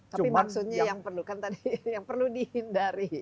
tapi maksudnya yang perlu dihindari